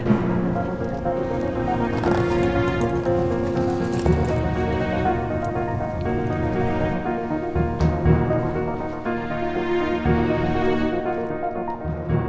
aku bawa tangan